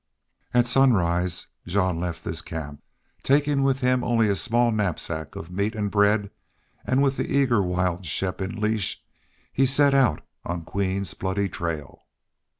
At sunrise Jean left this camp, taking with him only a small knapsack of meat and bread, and with the eager, wild Shepp in leash he set out on Queen's bloody trail.